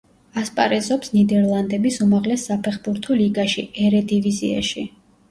ასპარეზობს ნიდერლანდების უმაღლეს საფეხბურთო ლიგაში, ერედივიზიაში.